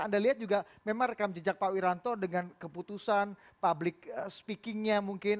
anda lihat juga memang rekam jejak pak wiranto dengan keputusan public speakingnya mungkin